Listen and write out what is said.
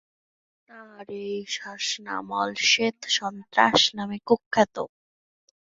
তার এই শাসনামল "শ্বেত-সন্ত্রাস" নামে কুখ্যাত।